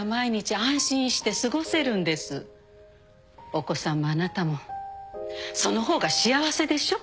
お子さんもあなたもその方が幸せでしょ？